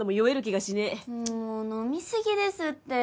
もう飲みすぎですって。